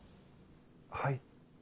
はい。